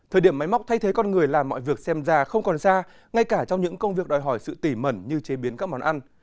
thời điểm máy móc thay thế con người làm mọi việc xem ra không còn xa ngay cả trong những công việc đòi hỏi sự tỉ mẩn như chế biến các món ăn